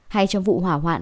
hay trong vụ hỏa hoạn